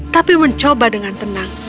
tapi mencoba dengan tenang